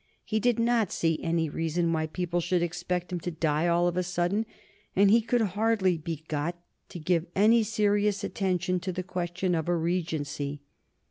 He did not see any reason why people should expect him to die all of a sudden, and he could hardly be got to give any serious attention to the question of a regency.